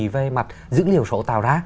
về mặt dữ liệu số tạo ra